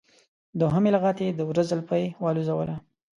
دوهمې لغتې د وره زولفی والوزوله.